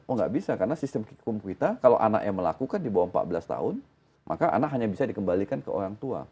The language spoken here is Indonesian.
oh nggak bisa karena sistem hukum kita kalau anaknya melakukan di bawah empat belas tahun maka anak hanya bisa dikembalikan ke orang tua